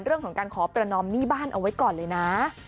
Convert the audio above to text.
เรื่องของการขอประนอมหนี้บ้านเอาไว้ก่อนเลยนะ